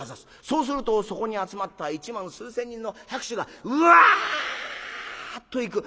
そうするとそこに集まった１万数千人の拍手がウワッといく。